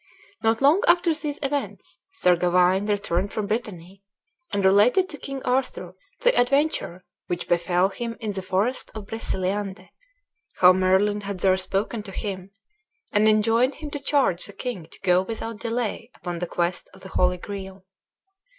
Not long after these events Sir Gawain returned from Brittany, and related to King Arthur the adventure which befell him in the forest of Breciliande, how Merlin had there spoken to him, and enjoined him to charge the king to go without delay upon the quest of the Holy Greal.